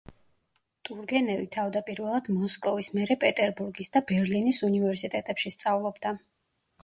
ტურგენევი თავდაპირველად მოსკოვის, მერე პეტერბურგის და ბერლინის უნივერსიტეტებში სწავლობდა.